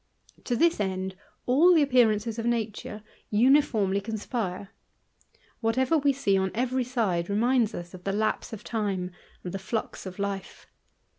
To this end all the appearances of nature uniformly conspire. Whatever we see on every side reminds us of the lapse of time and the flux of life.